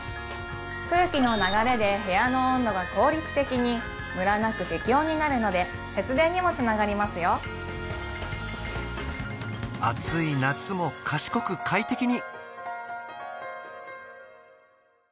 空気の流れで部屋の温度が効率的にムラなく適温になるので節電にもつながりますよ暑い夏も賢く快適に！